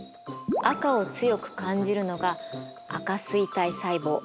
赤を強く感じるのが赤錐体細胞。